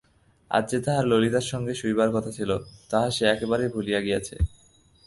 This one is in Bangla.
আজ যে তাহার ললিতার সঙ্গে শুইবার কথা ছিল তাহা সে একেবারেই ভুলিয়া গিয়াছে।